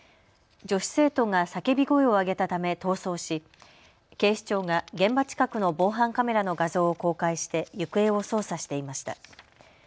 女子生徒が叫び声を上げたため逃走し警視庁が現場近くの防犯カメラの画像を公開して行方を捜査していました。